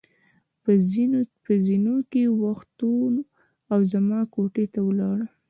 په زېنو کې وختو او زما کوټې ته ولاړو.